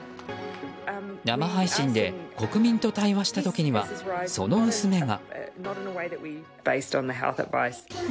生配信で国民と対話した時にはその娘が。